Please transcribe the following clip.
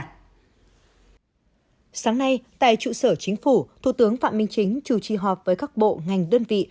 sáng nay tại trụ sở chính phủ thủ tướng phạm minh chính chủ trì họp với các bộ ngành đơn vị